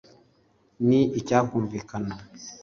ni icyakumvikana